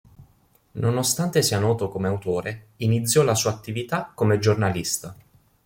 Nonostante sia noto come autore, iniziò la sua attività come giornalista.